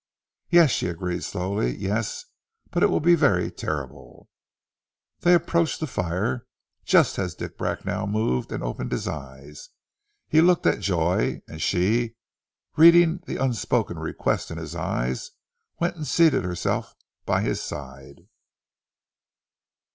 "Yes," she agreed slowly. "Yes. But it will be very terrible." They approached the fire, just as Dick Bracknell moved and opened his eyes. He looked at Joy, and she, reading the unspoken request in his eyes, went and seated herself by his side.